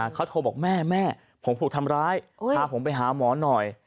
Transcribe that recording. เขาโทรบอกแม่แม่ผมถูกทำร้ายพาผมไปหาหมอหน่อย